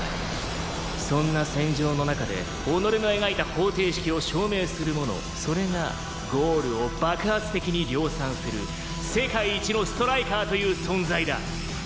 そんな戦場の中で己の描いた方程式を証明する者それがゴールを爆発的に量産する世界一のストライカーという存在だ。